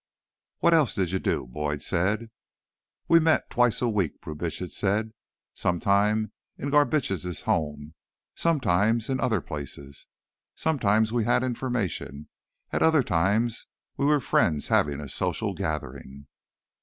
"What else did you do?" Boyd said. "We met twice a week," Brubitsch said. "Sometimes in Garbitsch's home, sometimes in other places. Sometimes we had information. At other times, we were friends, having a social gathering."